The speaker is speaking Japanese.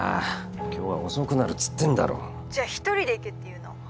今日は遅くなるっつってんだろ☎じゃ一人で行けっていうの？